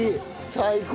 最高！